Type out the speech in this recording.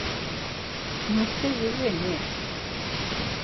Noseri reni?